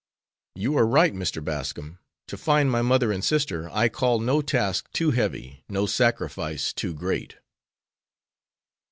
"You are right, Mr. Bascom. To find my mother and sister I call no task too heavy, no sacrifice too great."